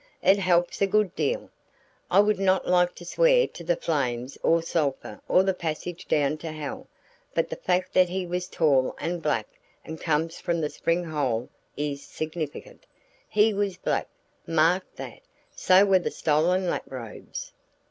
"It helps a good deal. I would not like to swear to the flames or sulphur or the passage down to hell, but the fact that he was tall and black and comes from the spring hole is significant. He was black mark that so were the stolen lap robes.